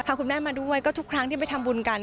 คุณแม่มาด้วยก็ทุกครั้งที่ไปทำบุญกัน